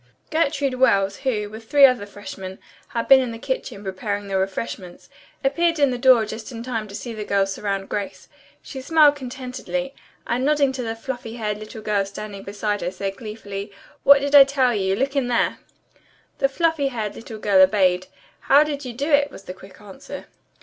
Gertrude Wells, who, with three other freshmen, had been in the kitchen preparing the refreshments, appeared in the door just in time to see the girls surround Grace. She smiled contentedly, and nodding to the fluffy haired little girl standing beside her said gleefully: "What did I tell you? Look in there." The fluffy haired little girl obeyed. "How did you do it?" was the quick answer.